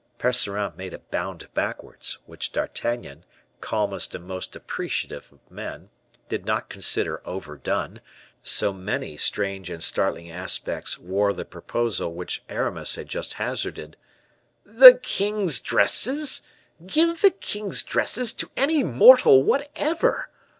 Percerin made a bound backwards, which D'Artagnan calmest and most appreciative of men, did not consider overdone, so many strange and startling aspects wore the proposal which Aramis had just hazarded. "The king's dresses! Give the king's dresses to any mortal whatever!